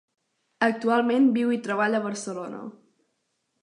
Actualment viu i treballa a Barcelona.